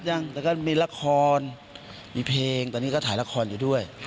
ยังแต่ก็มีละครมีเพลงตอนนี้ก็ถ่ายละครอยู่ด้วย